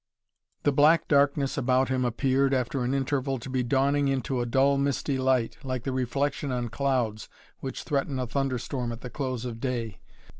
The black darkness about him appeared, after an interval, to be dawning into a dull, misty light, like the reflection on clouds which threaten a thunderstorm at the close of day.